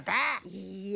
いいえ